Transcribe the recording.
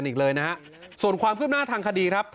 นี่แหละครับ